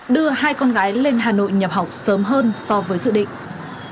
đưa hai con gái lên hà nội nhập học sớm hơn so với dự định